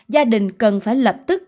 gia đình cần phải lập tức